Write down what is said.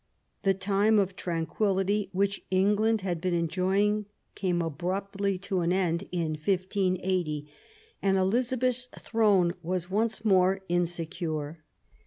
The time of tranquillity which England had been enjoying came abruptly to an end in 1580, and Elizabeth's throne was once more insecure.